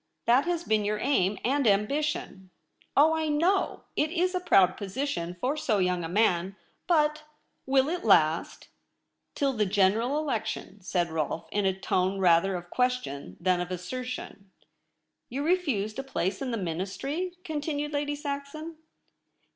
That has been your aim and ambition. Oh, I know ! It is a proud position for so young a man ; but — will it last ?'* Till the General Election,' said Rolfe, in a tone rather of question than of assertion. * You refused a place in the Ministry ?' continued Lady Saxon.